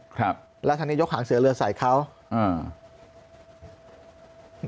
ครับแล้วทางนี้ยกหางเสือเรือใส่เขาอ่า